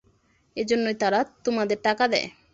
এজন্যই তারা তোমাদের টাকা দেয়।